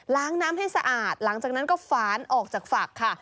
น้ำให้สะอาดหลังจากนั้นก็ฝานออกจากฝักค่ะ